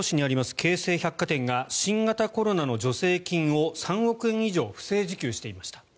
京成百貨店が新型コロナの助成金を３億円以上不正受給していました。